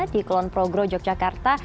di kulon progro yogyakarta